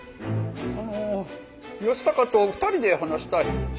あの義高と２人で話したい。